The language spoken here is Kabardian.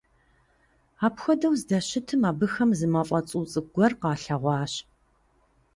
Апхуэдэу зыдэщытым, абыхэм зы мафӀэ цӀу цӀыкӀу гуэр къалъэгъуащ.